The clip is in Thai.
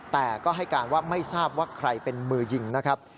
แต่ก็ให้การว่าไม่ทราบว่าใครเป็นมือยิงนะครับ